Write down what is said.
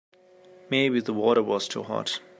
Maybe the water was too hot.